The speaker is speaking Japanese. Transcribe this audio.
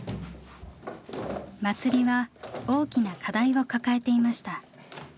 祭りは大きな課題を抱えていました。